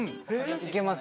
いけます？